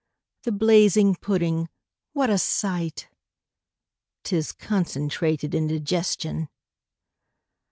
) The blazing pudding what a sight! ('Tis concentrated indigestion!